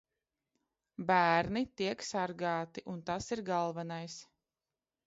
Bērni tiek sargāti. Un tas ir galvenais.